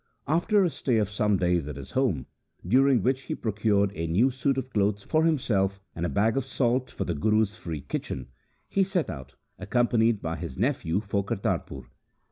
After a stay of some days at his home, during which he procured a new suit of clothes for himself and a bag of salt for the Guru's free kitchen, he set out, accompanied by his nephew, for Kartarpur.